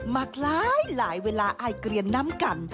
มากร้ายหลายเวลาอ้ายเกรียนน้ำกัน